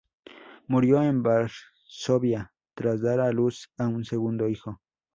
Murió en Varsovia, tras dar a luz a su segundo hijo.